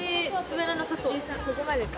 ここまでか。